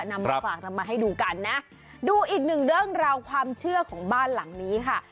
นำมาฝากนำมาให้ดูกันนะดูอีกหนึ่งเรื่องราวความเชื่อของบ้านหลังนี้ค่ะ